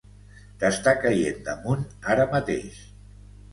T'està caient damunt ara mateix!